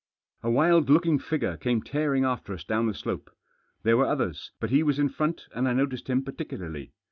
A wild looking figure came tearing after us down the slope. There were others, but he was in front, and I noticed him particularly.